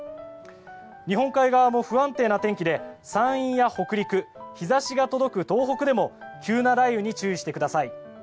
日本海側も不安定な天気で山陰や北陸日差しが届く東北でも急な雷雨に注意してください。